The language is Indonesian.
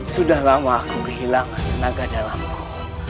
sudah lama aku kehilangan naga dalamku